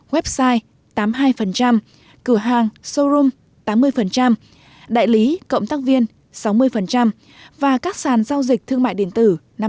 website tám mươi hai cửa hàng showroom tám mươi đại lý cộng tác viên sáu mươi và các sàn giao dịch thương mại điện tử năm mươi tám